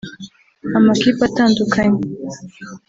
Amakipe atandukanye